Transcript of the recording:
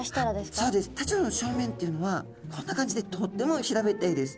タチウオちゃんの正面っていうのはこんな感じでとっても平べったいです。